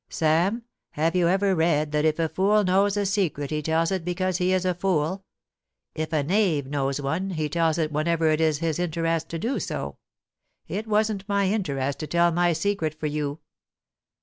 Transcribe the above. * Sam, have you ever read that if a fool knows a secret he tells it because he is a fool ; if a knave knows one, he tells it whenever it is his interest to do sa It wasn't my interest to tell my secret for you.'